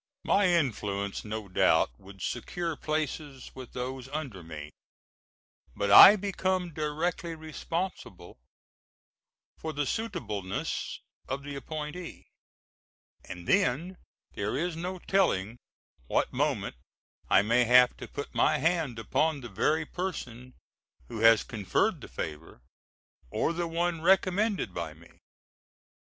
My influence no doubt would secure places with those under me, but I become directly responsible for the suitableness of the appointee, and then there is no telling what moment I may have to put my hand upon the very person who has conferred the favor, or the one recommended by me.